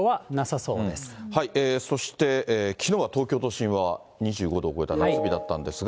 そして、きのうは東京都心は２５度を超えた夏日だったんですが。